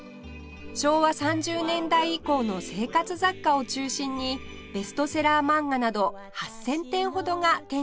昭和３０年代以降の生活雑貨を中心にベストセラー漫画など８０００点ほどが展示されています